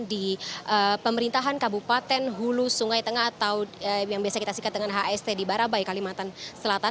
di pemerintahan kabupaten hulu sungai tengah atau yang biasa kita sikat dengan hst di barabai kalimantan selatan